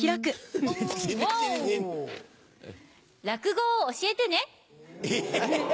落語を教えてね。